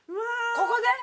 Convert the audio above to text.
ここで？